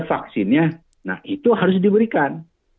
vaksinnya nah itu harus diberikan